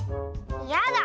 やだ！